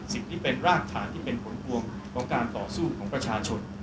สิ่งที่เป็นรากฐานที่เป็นผลพวงของการต่อสู้ของประชาชน